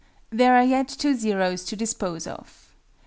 There are yet two zeroes to dispose of.